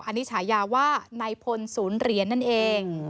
อันนี้ฉายาว่านายพลศูนย์เหรียญนั่นเอง